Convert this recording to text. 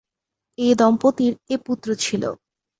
এ দম্পতির এ পুত্র ছিল।